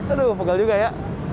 aduh pegal juga ya